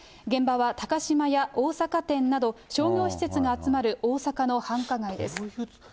現場は高島屋大阪店など、商業施設が集まる大阪の繁華街です。